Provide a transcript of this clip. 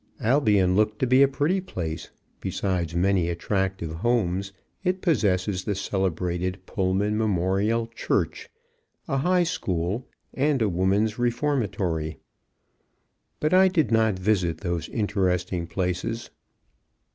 Albion looked to be a pretty place. Besides many attractive homes, it possesses the celebrated Pullman Memorial Church, a High School, and a woman's reformatory. But I did not visit those interesting places.